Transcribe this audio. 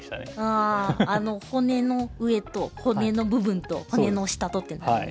あああの骨の上と骨の部分と骨の下とってなるんですよね。